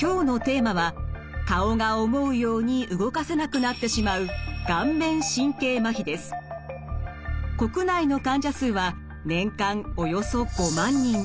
今日のテーマは顔が思うように動かせなくなってしまう国内の患者数は年間およそ５万人。